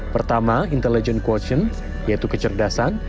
pertama intelligent quotient yaitu kecerdasan